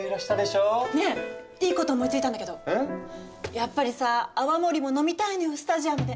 やっぱりさ泡盛も飲みたいのよスタジアムで。